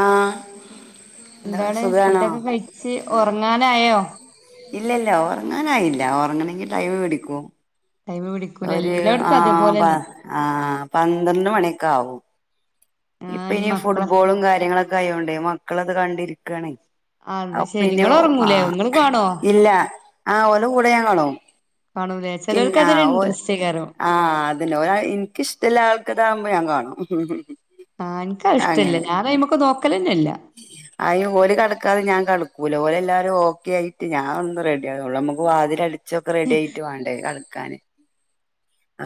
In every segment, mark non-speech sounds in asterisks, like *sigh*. ആ എന്താണ് ഫുഡൊക്കെ കഴിച്ച് ഉറങ്ങാനയോ ഇല്ലില്ല ഉറങ്ങാനായില്ല ഉറങ്ങണമെങ്കി ടൈമ് പിടിക്കും ടൈമ് പിടിക്കൂല ഒരു ആ എല്ലായിടത്തും അതേപോലെന്നെ ആ പന്ത്രണ്ട് മണിയൊക്കാവും ഇപ്പ ആഹ് ഈ ഇനി മക്കളെ ഫുട്ബോളും കാര്യങ്ങളൊക്കെ ആയോണ്ടേ മക്കളത് കണ്ടിരിക്കാണേ അത് ശരി പിന്നെയോ ഇങ്ങള് ആ ഉറങ്ങൂലേ ഇങ്ങള് കാണുവോ ഇല്ല ആ ഓല കൂടെ ഞങ്ങളും കാണൂലേ പിന്നെ ചിലർക്ക് ആ അതൊരു ഓ ഇൻട്രസ്റ്റേക്കാരം ആ അതന്നെ ഒരാൾ എനിക്കിഷ്ടല്ല ആൾ ക്ക് താമ്പോ ഞാ കാണും ആഹ് എനിക്കത് ഇഷ്ടല്ല ഞാങ്ങനെ ഞാൻ അയ്മക്ക് നോക്കലന്നെല്ല അയി ഓല് കെടക്കാതെ ഞാൻ കെട കൂല ഓലെല്ലാരും ഓക്കെ ആയിട്ട് ഞാനൊന്ന് റെഡിയാവുള്ളൂ നമുക്ക് വാതിലടിച്ചൊക്കെ റെഡി ആയിട്ട് വാണ്ടേ ക്കാന്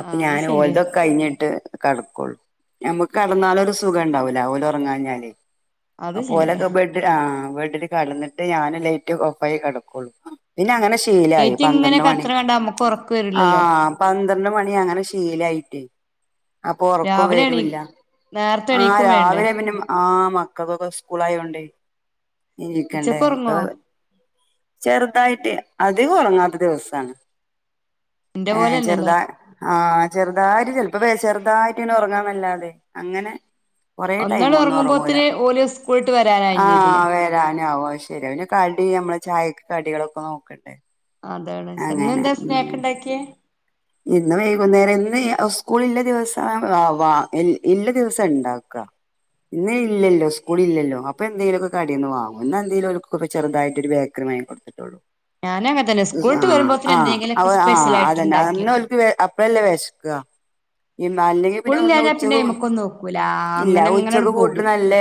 അപ്പൊ ആഹ് അത് ഞാൻ ശരിയാ ഓല്തൊക്കെ കഴിഞ്ഞിട്ട് കടക്കുള്ളൂ ഞമ്മ്ക് കടന്നാലുംരു സുഖംണ്ടാവൂല ഓല് ഉറങ്ങാഞ്ഞാലെ അത് അപ്പൊ ശരിയാ ഓലൊക്കെ ബെഡ് ആ ന്ന്ട്ട് കടന്നിട്ട് ഞാന് ലൈറ്റൊക്കെ ഓഫ് ആയി കെടക്കുള്ളു പിന്നെ അങ്ങനെ ശി ശീലായി ലൈറ്റ് ഇങ്ങനെ പന്ത്രണ്ട് മണി കത്തണ കണ്ടാ നമ്മക്ക് ഉറക്ക് ആ വരില്ലല്ലോ പന്ത്രണ്ട് മണി അങ്ങനെ ശീലായി അപ്പൊ ഉറക്കം രാവിലെ എണീ വരുല്ല നേരത്തെ ആ എണീക്കും വേണ്ടേ രാവിലെ പിന്നെ ആ മക്കൾക്കൊക്കെ സ്കൂളായോണ്ടേ ഉച്ചക്ക് എണീക്കണ്ടേപ്പൊ ഉറങ്ങുവോ ചെറുതായിട്ടേ അധികം ഒറങ്ങാത്ത ദിവസാണ് ഇന്റെ ഏ പോലെന്നെല്ലേ ചെറുതാ ആ ചെറുതായിട്ട് ചെലപ്പോ വെഷ് ചെറുതായിട്ട്ന്നെ ഉറങ്ങാൻന്നല്ലാതെ അങ്ങനെ കുറെ ടൈം ഒന്നാണ്ട് ഒന്നൊറങ്ങൂല ഉറങ്ങുമ്പോത്തിന് ഓല് സ്കൂളിട്ട് വരാനായും ആ ചെയ്തില്ലേ വരാനാവോ ശരിയാണ് കടി നമ്മള് ചായക്ക് കടികളൊക്കെ നോക്കണ്ടേ അതാണ് ചെന്ന് അങ്ങനെ എന്താ ഉം സ്നാക്ക് ഇണ്ടാക്കിയെ ഇന്ന് വൈകുന്നേരം ഇന്ന് സ്കൂൾ ഇല്ല ദിവസം ആവാ ഇല്ല ദിവസം ഇണ്ടാക്കാ ഇന്ന് ഇല്ലല്ലോ സ്കൂളില്ലല്ലോ അപ്പൊ എന്തെലൊക്കെ കടേന്ന് വാങ്ങും പിന്നെഎന്തെലും ചെറുതായിട്ടൊരു ബേക്കറി ടി കൊടുക്കത്തൊള്ളൂ ഞാനും അങ്ങനെ തന്നെ സ്കൂളിട്ട് വരുമ്പോത്തിന് ആ എന്തെങ്കിലുമൊക്കെ സ്പെഷ്യൽ ആ ആയിട്ട് അതന്നെ ഉണ്ടാക്കി എന്ന വെക്കും ഓല്ക്ക് അപ്പഴല്ലേ വിശക്കുക ഈ മല പിന്നെ ഒന്ന് സ്കൂളില്ലാഞ്ഞാ പിന്നെ ഉച്ചക്ക് അയ്മക്കൊന്നും നോക്കൂല ഇല്ല അങ്ങനെ അങ്ങനെങ്ങട് ഉച്ചക്കെ ഫുഡ് പോകും നല്ല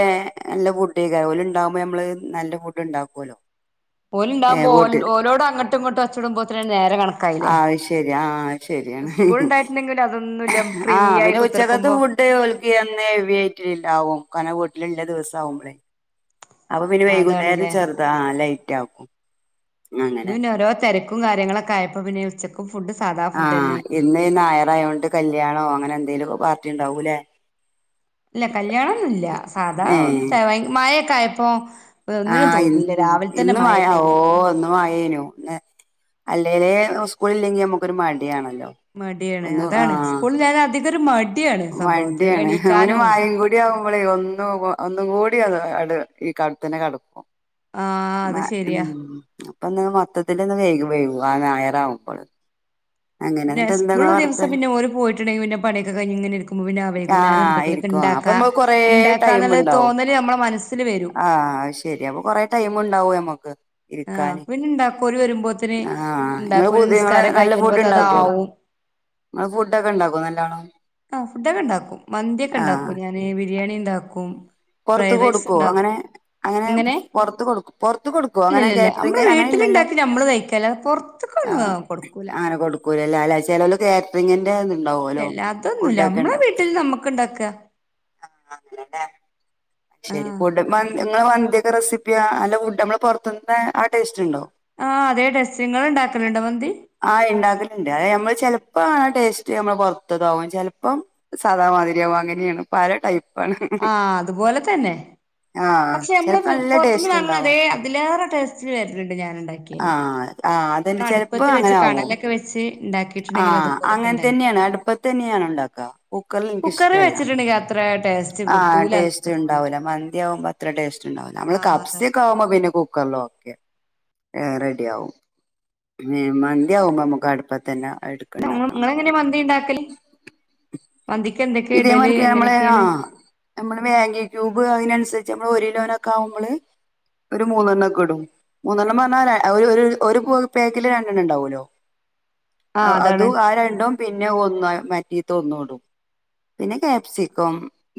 നല്ല ഫുഡ് കരവോല്ണ്ടാകും നമ്മള് നല്ല ഫുഡ് ഉണ്ടാക്കുവല്ലോ ഓലുണ്ടാവുമ്പോ ഓളോട് അങ്ങട്ടും ഇങ്ങോട്ടും അച്ചോടും പോ ആ ശരി ആ ശെരിയാണ് സ്കൂൾ ഉണ്ടായിട്ടുണ്ടെങ്കിൽ അതൊന്നുമില്ല ഫ്രീ ആ ആയി പിന്നെ ഉച്ചകത്ത് കുത്തിർക്കുമ്പോ ഫുഡ് ഓൽക്കെന്നെ ഹെവി ആയിട്ടിണ്ടാവും ക്കാന വീട്ടില നല്ല ദിവസാവുമ്പളേ അപ്പൊ പിന്ന വൈകുന്നേരം അതാണ്ല്ലേ ചെറുതാ ആ ലൈറ്റ് ആക്കും ഇന്ന് അങ്ങനെ പിന്നെ ഓരോ തിരക്കും കാര്യങ്ങളൊക്കെ ആയപ്പോ പിന്നെ ഉച്ചക്കും ഫുഡ് സാധാ ഫുഡ് ആഹ് തന്നെയായി ഇന്ന് നായറായോണ്ട് കല്യാണോ അങ്ങനെ എന്തേലും പാർട്ടി ഉണ്ടാവൂലേ ഇല്ല കല്യാണൊന്നുംല്ല സാധാ ഏഹ് മയൊക്കെ ആയപ്പോ ഒന്നിനും ആഹ് ഇ തോന്നിയില്ല രാവിലെ തന്നെ ഇന്ന്മയാവോ മഴയല്ലേനോ ഓ അപ്പൊ ഒന്നും ആയേനു അല്ലേലേ സ്കൂളില്ലെങ്കി നമുക്കൊരു മടിയാണ് മടിയാണ് അതാണ് സ്കൂളില്ലാഞ്ഞ അധികൊരു മടി വണ്ടിയാണ് അവന് മായം കൂടി ആവുമ്പോളേ ഒന്നും ഒന്നും കൂടി ടി അടെ ഈ കടത്തിണ്ണെ കെടക്കും ആഹ് അത് മ ഉം ശരിയാ അപ്പൊ മൊത്തത്തി ഒന്ന് വേഗ വൈകും ആ ഞായറാവുമ്പോള് പിന്നെ സ്കൂൾല് ദിസം പിന്നെ ഓര് പോയിട്ടുണ്ടെങ്കി പിന്നെ പണിയൊക്കെ കയിഞ്ഞ് ഇങ്ങനെടുക്കുമ്പോ പിന്നെ വൈകുന്നേം ആഹ് എന്തെിലൊക്ക ഇ ഇരിക്കും ആ ണ്ടാക്ക അപ്പൊ നമ്മക്ക് കൊറേ ണ്ടാക്കാ ടൈം എന്നുള്ള ഇണ്ടാവും തോന്നല് നമ്മള മനസ്സില് വരും ആഹ് അത് ആഹ് ഇക്കാന് പിന്നെ ഉണ്ടാക്കും ഓര് വരുമ്പോത്തിന് ആ നിങ്ങള് ഉണ്ടാക്കും ഓലെ പുതിയങ്ങള് നിസ്കാരം നല്ല കഴിഞ്ഞ് ഫുഡ് വരുമ്പോത്തിന് ണ്ടാക്കോ അതാവും ഫുഡൊക്കെ ഇണ്ടാക്കോ നല്ലോണം ആ ഫുഡൊക്കെ ഇണ്ടാക്കും മന്തിയൊക്കെ ഇണ്ടാക്കും ഞാന് ബിരിയാണി ഇണ്ടാക്കും പുറത്ത് കൊടുക്കോ അങ്ങനെ അങ്ങനെ പുറത്ത് കൊടുക്ക പറത്ത് കൊടുക്കോ അങ്ങനെ കാറ്ററിങ് അങ്ങനെ ഇല്ലല്ലോ ഉണ്ടാക്കി നമ്മള് തയ്ക്കല്ലത് *unintelligible* പുറത്തൊക്ക ഒന്നും കൊടുക്കൂല ാലാാലറ്ററി *unintelligible* ഉണ്ടാവുമല്ലോ ഇല്ലല്ല ഫുഡ് അതൊന്നുല്ല ഉണ്ടാക്കേണ്ട നമ്മളെ വീട്ടിൽ നമ്മക്ക് ഇണ്ടാക്ക ശരി ആഹ് ഫുഡ് നിങ്ങള് വന്തിൊക്കെ *unintelligible* റെസിപ്പിയാ അല്ലെ ഫുഡ് നമ്മള് പുറത്ത് നിന്നും ആ ടേസ്റ്റ് ഉണ്ടോ ആഹ് അതേ ടേസ്റ്റ് ഇങ്ങള് ഇണ്ടാക്കലുണ്ടോ മന്തി ആ ഉണ്ടാക്കലുണ്ട് അത് നമ്മൾ ഇപ്പ ഇങ്ങനെ ടേസ്റ്റ് നമ്മൾ പുൊറത്തതാകും *unintelligible* ചിലപ്പോ സാധമാധരി അങ്ങനെയാണ് പല ടൈപ്പ് *unintelligible* ആഹ് അതുപോലെ തന്നെ പക്ഷെ നമ്മള് ചെലപ്പോ നല്ല പുറത്തുനിന്ന് ടേസ്റ്റ് വാങ്ങുന്ന ഇണ്ടാവും അതേ അതിലേറെ ടെസ്റ്റ്‌ ഉണ്ട് ഞാൻ ഉണ്ടാക്കിയല് ആഹ അതെെ ചെിലപ്പ അങ്ങനെ ആകും വെച്ച് ആ ഇണ്ടാക്കിയിട്ടുണ്ടെങ്കിൽ അതുപോലെയൊക്കെ അങ്ങനെ ഇണ്ടാക്കി തന്നെയാണ് അടുപ്പത്ത് തന്നെയാണ് ഉണ്ടാക്ക കുക്കറിൽ എനക്ക് കുക്കറി ഇഷ്ടമല്ല വെച്ചിട്ടുണ്ടെങ്കി അത്ര ടേസ്റ്റ് ആ കിട്ടൂല ടെസ്റ്റ്‌ എനിക്ക് തോന്നുന്നു ഉണ്ടാവില്ല മന്തിയാ ആവുമ്പോ അത്ര ടെസ്റ്റ്‌ ഉണ്ടാവില്ല നമ്മള് ആഹ് അതാണ് കപ്സിയൊക്കെ ആകുമ്പോ പിന്നെ ക്കല്ലോ *unintelligible* ഓക്കെ റെഡി ആവും പിന്നെ മന്തി ആകുമ്പോ നമ്മക്ക് അടുപ്പാത്തന നിങ്ങ എങ്ങനെ മന്തി ഉണ്ടാക്കല് ഇതേമാതിക്ക് *unintelligible* നമ്മളെ ആ നമ്മള് ഭംഗി *unintelligible* ൂബ് *unintelligible* അതിനനുസരിച്ച് നമ്മള് ഒരു കിലോയ്ക്ക് ആവുമ്പോള് ഒരു മൂന്നെണ്ണം ഒക്കെ ഇടും മൂന്നെണ്ണം പറഞ്ഞാൽ ഒരു പോക്കില് രണ്ടെണ്ണം ഉണ്ടാവൂല്ലോ ആഹ് അതാണ് അതും ആ രണ്ടും പിന്നെ ഒന്ന് മാറ്റി ഒന്നും ഇടും പിന്നെ ക്യാപ്സിക്കം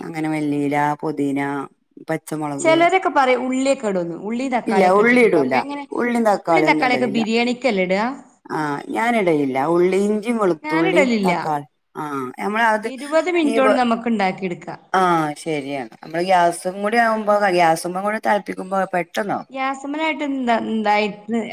അങ്ങനെ മല്ലിയില പൊതിയിന ചെലരൊക്കെ പറിം ഉള്ളൊക്ക്യ ഇടും ഉള്ളി ഇല്ല തക്കാളിയൊക്കെ ഉള്ളി ഇടൂല ഇട്ടിട്ടുണ്ടോക്കെ എങ്ങനെ ഉള്ളിയും ഉള്ളി തക്കാളും തക്കാളി എക്കെ ബിരിയാണിക്കല്ലേ ഇടാ ആഹ് ഞാൻ ഇടലില്ല ഉള്ളി ഇഞ്ചി വെളുത്തുള്ളിം ഞാനിടലില്ല തക്കാളി ആഹ് നമ്മൾ അത് ഇരുപത് മിനിറ്റ് കൊണ്ട് നമുക്ക് ഉണ്ടാക്കി എടുക്കാം ആഹ് ശെരി ആണ് നമ്മടെ ഗ്യാസും കൂടി ക്പോ *unintelligible* ഗ്യാസും കൂടെ തള്പ്പിക്കുമ്പോ പെട്ടെ ഗ്യാസ് മലായിട്ട് എന്തായി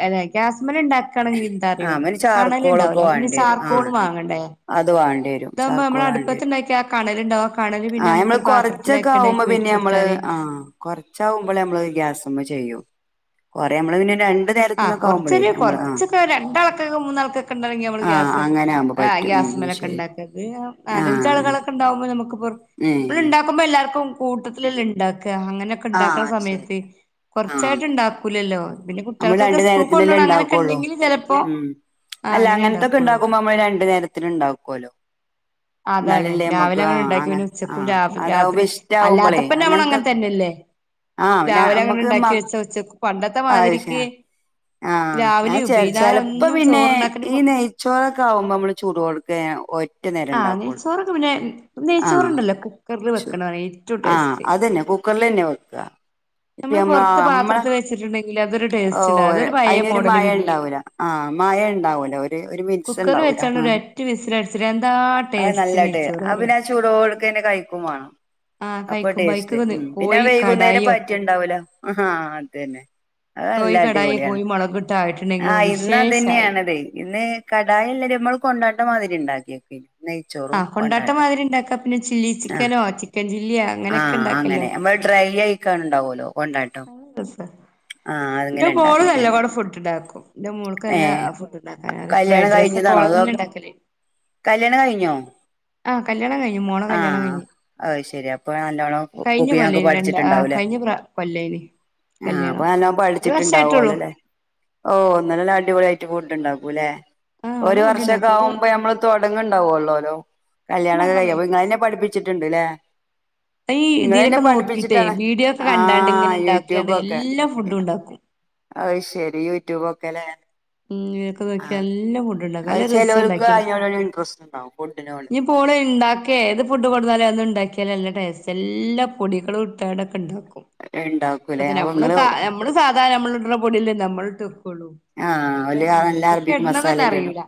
അല്ലെ ഗ്യാസ് മെല് ഇണ്ടാക്കാൻ ങ്കി എന്താ അറ്യോ ആ പിന്നെ കാണല് ഇണ്ടാവുലെ. ചാർക്കോളൊക്കെ അമ്മള് പിന്നെ വേണ്ടി വരും ആ ചാർക്കോൺ വാങ്ങണ്ടെ വാങ്ങണ്ടേ അത് വേണ്ടി വരും ഇതാവുമ്പോ നമ്മള് ചാർക്കോൾ വേണ്ടി അടുപ്പത്ത് വരും ഇണ്ടാക്കി ആഹ് കണലുണ്ടാവും ആ കണല് ആ പിന്നെ നമ്മക്ക് നമ്മള് ഒരു കൊറച്ചൊക്കെ പാത്രത്തിലാക്ക്യാണ്ട് ആവുമ്പോ അയ്ക്ക് വെ പിന്നെ നമ്മള് ആഹ് കൊറ്ച്ചകുമ്പള് നമ്മള് ഗ്യാസ്മ്മേ ചെയ്യും കൊറെ അമ്മള് *unintelligible* പിന്നെ ഒര നേരത്തിനൊക്കെ ആവുമ്പ നമ്മള് ആഹ് രണ്ടാൾക്കും മൂന്നാൾക്കൊക്കെ ഇണ്ടാ *unintelligible* മൂന്നാള്ക്കെ ഇണ്ടെങ്കി നമ്മള് ആ ഗ്യാസ്സ് അങ്ങനെ ആവുമ്പോ ആഹ പറ്റും ഗ്യാസ് ഉം മലൊക്കെ ശരി ഉണ്ടാക്കിയത് ആ നാലഞ്ച് ആളുകളൊക്കെ ഉണ്ടാകുമ്പോ നമ്മക്ക് പൊറത്ത, ഏ ഇബെ ടെ ഉണ്ടാക്കുമ്പോ നമ്മക്ക് പൊറ്റത്ത് എല്ലാർക്കും കൂട്ടത്തിലെല്ലെ ഇണ്ടാക്കാം അങ്ങനൊക്കെ ആ ഇണ്ടാക്കുന്ന ശരി സമയത്ത് ആ കുറച്ചായിട്ട് ഉണ്ടാക്കൂലല്ലോ പിന്നെ നമ്മൾ കുട്ട്യേൾക്കൊക്കെ രണ്ടു സ്കൂൾ കൊണ്ടോ നേരത്തിനല്ലേ ണം അങ്ങനൊക്കെ ഉണ്ടാക്കുള്ളൂ ഇണ്ടെങ്കിൽ ചെലപ്പോ ഉം ആഹ് അല്ല അങ്ങനെ അങ്ങനത്തൊക്കെ ഉണ്ടാക്കുള്ളൂ ഉണ്ടാക്കുമ്പോ നമ്മള് രണ്ടു നേരത്തിന് ഇണ്ടാക്കോ ലൊ അതാണ് രാവിലെ അങ്ങനെ ഇണ്ടാക്കി പിന്നെ ആ ഉച്ചക്കും അതാവുമ്പോ രാത്രി ഇഷ്ടാവുമ്പോളേ അല്ലാത്തപ്പ നമ്മൾ അങ്ങനത്തെ അങ്ങൻ തന്നെല്ലേ ആ രാവിലെ അങ്ങനെ തണ്ടാക്കി വെച്ച ഉച്ചക്ക്. പണ്ടത്തെ ആഹ്ശ *unintelligible* രാ *unintelligible* ഞാൻ ചെ ചെല്പ്പോ പിന്നെ ഈ നെയ്ച്ചോറൊക്കെ ആവുമ്പോ നമ്മള് ചൂട് കൊടുക്ക ആഹ് നെയ്ച്ചോറൊക്കെ പിന്നെ ഒ ആ നെയ്ച്ചോർ ഇണ്ടല്ലോ കുക്കറിൽ ചു വെക്ക്ണത് ഏറ്റവും ആഹ് ടെസ്റ്റ്‌ അതന്നെ കുക്കറിൽ തന്നെ വെക്ക നമ്മള് പൊറത്ത് പാത്രത്തി വെച്ചിട്ടുണ്ട് ഓഹ് അതിനൊരു മയ ബിരിയാണി ഉണ്ടാവൂല ആഹ് മയ ഉണ്ടാവൂല ഒര് - ഒരു മിനുസം കുക്കർ ഉണ്ടാവില്ല വെച്ചാണ്ട് ഒരു ആഹ് ഒറ്റ വിസിലടിച്ചിട്ട് എന്താ ടേസ്റ്റ് *unintelligible* നെയ്ച്ചോറ് അറിയോ അവന് ആ ചൂടോടെ എടുത്ത് കഴി - ക്കും വേണം ആഹ് അപ്പൊ കഴിക്കുമ്പോ ടെസ്റ്റ്‌ അയ്ക്ക് പിന്നെ കോഴി കടായി വൈകുന്നേരം വെക്കും പറ്റിണ്ടാവലോ അത് തന്നെ അത അല്ല കോഴി കടായി അടിപൊളിയാണ് കോഴി മുളകിട്ട് ആയിട്ടുണ്ടെങ്കിൽ ആഹ് ഇന്ന് വിശേഷായി അതുതന്നെയാണ് അത് ഇന്ന് കടായ എല്ലാ നമ്മള് - ണ്ടട്ട്തിരി *unintelligible* ഉണ്ടാക്കിയക്ക ആഹ് കൊണ്ടാട്ട മാതിരി ഉണ്ടാക്ക പിന്നെ ചില്ലി ആഹ് ചിക്കനോ ചിക്കൻ ചില്ലി ആഹ് അങ്ങനെ നമ്മള് ഡ്രൈ ആയിക്കാനുണ്ടാവലോ ആ ദസ *unintelligible* എന്റെ അങ്ങനെ മോള് ഉണ്ടാക്കിക്ക് നല്ലോണം ഫുഡ് ഉണ്ടാക്കും എന്റെറെ മോൾക്ക് എല്ലാം ഏഹ് ഫുഡ്ണ്ടാക്കാ കല്യാണം ഫ്രൈഡ് റൈസ്ക്കെ കഴിഞ്ഞതാണോ ഓള് അതോ തന്നെയാ ഉണ്ടാക്കല് കല്യാണം കഴിഞ്ഞോ ആഹ് കല്യാണം കഴിഞ്ഞു മോളെ കല്യാണം ആഹ് കഴിഞ്ഞു അത് ശരി അപ്പൊ ഇപ്പ നല്ലോണ്ണം കഴിഞ്ഞ കുക്കിങ്ങ് ഒക്കെ കൊല്ലേനി രണ്ട് ആഹ് പഠിച്ചിട്ടുണ്ടാവൂലേ കഴിഞ്ഞ പ്ര കൊല്ലേനി ആഹ് അപ്പൊ കല്യാണം നല്ല ഒരു വർഷായിട്ടുള്ളൂ പഠിച്ചിട്ട്ണ്ടാവോല്ലോല്ലേ ഓഹ് നല്ല അടിപൊളിയ ആയി ഫുഡ് ഉണ്ടകൂല്ലെ ആഹ് ഓള് ഒരു വർഷൊക്കെ ഫുഡ്ണ്ടാക്കും ഓക്ക് ആകുമ്പോ നമ്മള് തൊടങ്ങണ്ടാവുവള്ളോല്ലോ കല്യാണൊക്കെ ഫുഡ്ണ്ടാക്കാൻ കഴയിഞ്ഞു അപ്പൊ ഭയങ്കര ഇങ്ങള് തന്നെ ഇഷ്ടാ പഠിച്ചിട്ടുണ്ട്ല്ലേ ഈ നിങ്ങള് എന്നെ ഇതിലൊക്കെ നോക്കിട്ടേ പഠിപ്പിച്ചിട്ടാണ് വീഡിയോ ഒക്കെ കണ്ടാണ്ട് ഇങ്ങനെ ആഹ് ഇണ്ടാക്കിയാണ് യൂട്യൂബൊക്കെ എല്ലാ ഫുഡും ഇണ്ടാക്കും അത് ശരി യൂട്യൂബ് ഒക്കെല്ലേ. ഉം ഇനക്കെ നോക്കി നല്ലാം ഫുഡുണ്ടാക്കും അത് നല്ല രസം ചെലോൽക്ക് ഉണ്ടാക്കയാല് അയിനോടൊരു ഇൻട്രസ്റ്റ് ഉണ്ടാവും ഫുഡിനോട് ഇനി ഇപ്പ ഓള് ഇണ്ടാക്കെ ഏത് ഫുഡ് കൊടുന്നാലേ അ ഉണ്ടാക്കിയാലും നല്ല ടേസ്റ്റ് എല്ലാ പൊടികളും ഇട്ടായിടൊക്കെ ഉണ്ടാക്കും ഇണ്ടാക്കൂലേ അപ്പത് അപ്പൊ നമ്മള് ഇങ്ങള് നമ്മള് സാധാ നമ്മള് ഇട്ണ പൊടില്ല നമ്മള് ഇട്ട് വക്കള്ളൂ ആഹ് ഓല് കാരണം ഓരങ്ങനെയല്ല എല്ലാ എന്തൊക്കെ അറബിക്ക് ഇടുന്നത് തന്നെ മസാലയൊക്കെ ഇടും അറിയില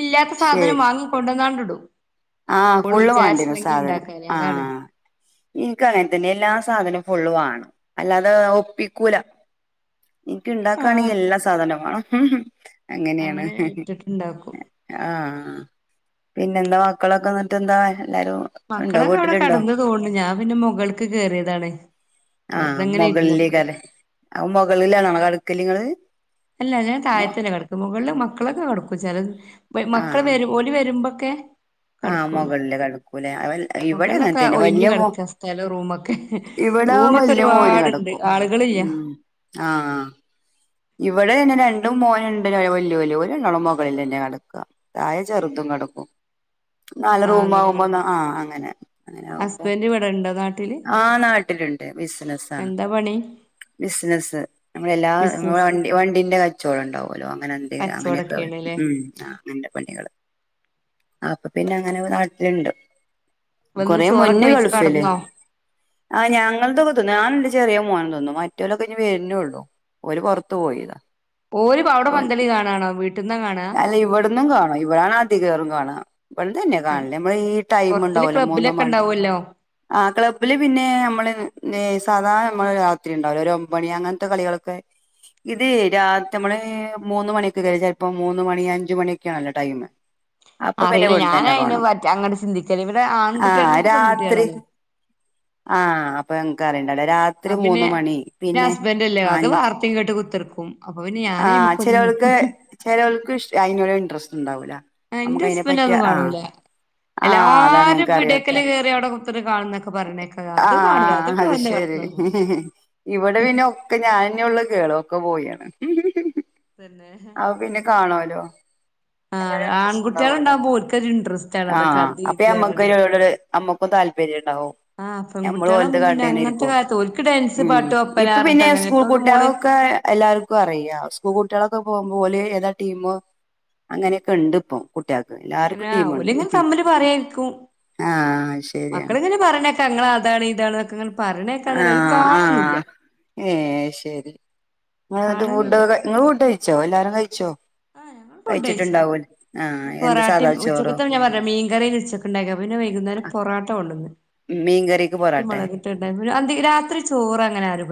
ഇല്ലാത്ത സാധനം ശരി വാങ്ങി കൊണ്ട് വന്നാണ്ട് ഇടും ആഹ് ഓള് ഫുള്ള് വാണ്ടിവരും വിചാരിച്ചില്ലെങ്കിൽ സാധനം, ഇണ്ടാക്കാന് അതാണ് ആഹ് എനക്ക് അങ്ങനെ തന്നെ എല്ലാ സാധന ഫുള്ള് വാണം അല്ലാതെ ഒപ്പിക്കൂല എനിക്ക് ഉണ്ടാക്കാണെങ്കിൽ എല്ലാ സാധനവും ആഹ് ഹ് ഹും അങ്ങനെയാണ് അങ്ങനെ ഹിഹി ഇട്ടിട്ടുണ്ടാക്കും ആഹ് പിന്നെന്താ മക്കളൊക്കെ എന്നിട്ട് എന്താ എല്ലാരും ഇണ്ടോ മക്കളൊക്കെ അവിടെ വീട്ടിലുണ്ടോ കടന്ന് തോന്നുണു ഞാൻ പിന്നെ മുഗൾക്ക് കേയറിയതാണ്. ആഹ മുകളിലേക്ക അല്ലേ അ മുകളിലാണ കടുക്കല്ങ്ങള്? അല്ല ഞാൻ താഴത്തല്ഞ്ഞെ കിടക്കും മുകളില് മക്കളൊക്കെ കടക്കും ചില മക്കള് ഓല് വരുമ്പോ ആഹ മുകളില കണക്കൂല ഇവിടെ മുകളിലൊക്കെ അങ്ങത്തന്നെ ഒഴിഞ്ഞ് വല്ിയ മോൻ കെടക്ക സ്ഥലം റൂമൊക്കെ ഇവിടെ റൂമൊക്കെ വല്ിയ മോന ഒരുപാടുണ്ട് കിടക്കും ഉ ആളുകളില്ല ആ ഇവിടെ തന്നെ രണ്ടും മോനണ്ട് വല്ല്യോല് ഓല് രണ്ടാള മുകളിൽന്നെ കടക്കുക അതായ ചെറുതും കട നല്ല ആ റൂ അങ്ങനെ ആകുമ്പോ കെടക്കല് ആ അങ്ങനെ അങ്ങനെ ആകുമ്പോ ഹസ്ബൻഡ് ഇവിടെണ്ടോ നാട്ടില് ആ നാട്ടിലുണ്ട് ബിസിനസ് ആണ് എന്താ പണി ബിസിനസ്സ് നമ്മള എല്ലാ നമ്മ ബിസിനസ് വണ്ട വണ്ടിന്റെ കച്ചവടംണ്ടാവുമല്ലോ അങ്ങനത്തെ എന്തെങ്കിലും അങ്ങനെയൊക്കെ കച്ചോടൊക്കെയാണ്ല്ലേ ഉ അങ്ങനത്തെ പണികള് അപ്പൊ പിന്നെ അങ്ങനെ ഒരു നാട്ടിലുണ്ട് വന്ന് കൊറെ ചോറൊക്കെ മുന്ന വെയ്ച്ച് ഗൾഫില് കടന്നോ ആഹ് ഞങ്ങള തൊക തിന്നു ഞാൻ ചെറിയ മോകന തോന്നും മറ്റേലൊക്കെ ഇഞ് വരുന്നള്ളൂ ര്ഒക്കെ പുറത്തത്ത് പോയിതാ ഒരു അവിടെ പന്തളി കാണണോ വീട്ടിൽ അല്ല ഇവിടന്നും കാണാം ഇവിടാണ് ആദ്യ കേറും കാണാം ഇ തന്നെയാ കാണില്ലേ നമ്മ ഈ ടൈമ പുറത്തില് ഉണ്ടാവലോ മൂന്നോ ക്ലബ്ബിലൊക്കെ മണി ഉണ്ടാവുമല്ലോ ആ ക്ലബ്ബില് പിന്നെ നമ്മള് ലേ സാധാരണ നമ്മള് രാത്രി ഉണ്ടാവില്ല ഒരു ഒമ്പണി അങ്ങനത്തെ കളികളൊക്കെ ഇത് രാത്രി നമ്മള് മൂന്ന് മണിയൊക്കെ കൈ ഇപ്പൊ മൂന്ന് മണി അഞ്ച മണിയൊക്കെയാണല്ലോ ടൈം് അപ്പൊ പിന്നെ അറിയില്ല ഇവടന്നഞ്ഞേ ഞാൻ തന്നെ അതിനെ കാണും പറ്റി അങ്ങോട്ട് ചിന്തിക്കല് ഇവിടെ ആൺകുട്ടികൾ ആഹ എനിക്ക് രാത്രി പെൺകുട്ടികളാണ് ആഹ് അപ്പൊ രാത്രി അവന് മൂന്ന മണി പിന്നെ ഹസ്ബൻഡ് അല്ലേ അത് അഞ്ച വാർത്തയും കേട്ട് കുത്തിർക്കും അപ്പൊ പിന്നെ ഞാൻ ആ അയ്മക്കൊന്നും ചിലൾക്ക് നോക്കൂല ചിലൾക്ക് അതിനോട് ഇന്ററസ്റ്റ് ഉണ്ടാവൂല എന്റെ നമുക്ക്തിനെ ഹസ്ബൻഡ് പറ്റിയ അതൊന്നും ആഹ കാണൂല ആഹ അതാണ് എല്ലാരും നിനക്ക് അറിയാത്ത പീടിയേക്കല് കേറി അവിടെ കുത്തിർന്ന് കാണുന്നൊക്കെ പറയണേക്ക അത് കാണൂല ആഹ ഇവിടെ അത് വന്ന് ശരി കെടന്നൊറങ്ങും ഇവിടെ പിന്നെ ഒക്കെ ഞാൻഞ്ഞെ കേളൊക്കെ പോയിാണ് തന്നെ ആഹ പിന്നെ കാണോല്ലോ ആ ആൺകുട്ടികൾ ല്ലോ ഉണ്ടാവുമ്പോ ഓൽക്കൊരു ഇൻട്രസ്റ്റ് ആണ് ആ അതൊക്കെ അത് ഇത് അപ്പനമ്മക്ക് പറഞ്ഞിട്ട് ഒരു അമ്മക്കും *unintelligible* താല്പര്യം ഉണ്ടാവും ആഹ് നമ്മള് പോലത്ത പെൺകുട്ടികളാവുമ്പോ പിന്നെ കാട്ടന്നെ അങ്ങനത്തെ ഇരിക്കും കാര്യത്തി ഓൽക്ക് ഡാൻസ് ഉം പാട്ട് ഒപ്പന ഇപ്പ പറഞ്ഞിട്ട് പിന്നെ അങ്ങനെ സ്കൂൾ ഇപ്പത്തെ മോള് കൂട്ടിയെക്ക് ഒക്കെ എല്ലാവർക്കും അറിയാം സ്കൂൾ കുട്ടികളൊെ പോകുമ്പോ ഏതാ ടീമ് അങ്ങനെയൊക്കെ ഉണ്ട് ഇപ്പൊ കുട്ടികൾക്ക് എല്ലാർക്കും അങ്ങനെ ടീമുണ്ട് ഓലെങ്ങനെ തമ്മില് പറയാരിക്കും ആഹ് ശരിയാണ് മക്കളിങ്ങനെ പറഞ്ഞേക്കാ നിങ്ങെ അതാണ് ഇതാണ് ക്കെ ഇങ്ങനെ പറഞ്ഞേക്കാ ഓല് കാണന്നുല്ല ഏ ശരി ഫുഡ് കാണലില്ല നിങ്ങള് ഫുഡ് കഴിച്ചോ എല്ലാരും കഴിച്ചോ കഴിച്ചിട്ടുണ്ടാവൂല പൊറാട്ടി ഉച്ചക്കത്ത ഞാൻ പറഞ്ഞ മീൻകറിയിൽ ഉച്ചക്ക ഉണ്ടായിനിയെ പിന്നെ വൈകുന്നേര പൊറാട്ട കൊണ്ടന്ന് മീ മത്തി മുളകിട്ടുണ്ട ഉണ്ടയിനു രാത്രി ചോറ് അങ്ങനെ ആരും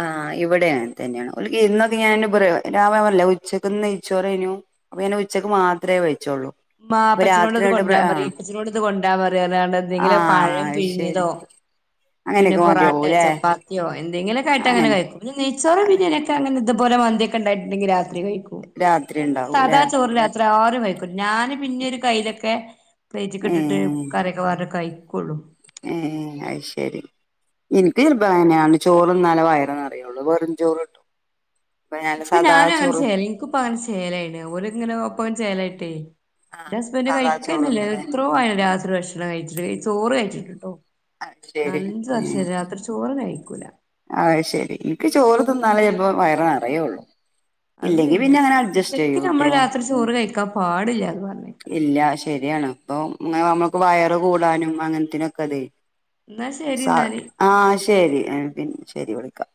ആ ഇവിടെ അങ്ങനെ തന്നെയാണ് ഒ ഇന്നൊ അ ഞാൻ രാവമല്ല ഉച്ചക്ക്ന്ന് നെയിച്ചോറനു അപ്പൊ ഞാൻ ഉച്ചക്ക് മാത്രമേ കഴിച്ചോുള്ളൂ വാപ്പച്ചിനോട് ഇത് കൊണ്ടാരാൻ പറ ഇപ്പച്ചിനോട് ഇത് കൊണ്ടാൻ പറ പറഞ്ഞണ്ട് എന്തെങ്കിലും ആഹ് പഴം അത് പിയു ശരി ങ്ങിയതോ പിന്നെ അങ്ങനെയൊക്കെ പൊറോട്ട മതിയാവൂല്ലേ ചപ്പാത്തിയോ എ എന്തെങ്കിലും ആട്ട് അങ്ങെ അങ്ങനെ കയിക്കും നെയ്ച്ചോറോ അല്ല ബിരിയാണിയൊക്കെങ്ങന ഇതുപലെ മന്തിയോക്കെ ഉണ്ടായിട്ടണ്ടെിൽ കഴിക്കൂ രാത്രി ഉണ്ടാവൂല്ലേ സാദാ ചോറത്ര ആരും കഴിക്കൂല ഞാന് പിന്നെ ഒരു കയ്യിലൊക്കെ പ്ലെയ്റ്റ് ക്ക് ട്ട് കറിയൊക്കെ പാർന്നു കയിക്കൊള്ളൂ ഉം അത് ശരി എനിക്ക് ചെറുന്നാലെ വയർ നിറയുള്ളു വെറും ചോറ്ട്ടോ ഇപ്പൊ ഞാനു അങ്ങനെ ചേലാ ഇനിക്കിപ്പ അങ്ങനെ ചെലായിണ് ഓരി ഇങ്ങനെ ഒപ്പ അങ്ങനെ ചെയേലായിട്ടേ ആഹ് എന്റെ ഹസ്ബന്ഡറ് സാദാ കയിക്കന്നല്ല ചോറ്ന്നല്ലേ എത്രോ ആയി രാത്രി ഭക്ഷണം കഴിച്ചിട്ട് ചോറ് കഴിച്ചിട്ടു അത് ശരി നാലഞ്ച് വർഷംആയി രാത്രി ചോറന്നെ കയിക് അഹ് ശരി ഇൻക്ക് ചോറ് തിന്നാലേ ചെല്പ്പോ വയറ് നറയുള്ളു അത് ശരിയാ ശരിക്കും നമ്മൾ രാത്രി ചോറ് കഴിക്കാ പാടില്ല അത് ഇല്ല ശരിയാണ് അപ്പൊ നമ്മക്ക് വയറ് കൂടാനും അങ്ങൻ ത്തെനൊക്കെത് എന്നാ ശരി എന്നാല് ആഹ് ശരി പിന്നെ ശരി വിളിക്കാം